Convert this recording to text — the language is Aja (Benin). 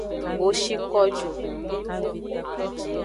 Wo shi ko ju.